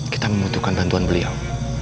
kita membutuhkan bantuan beliau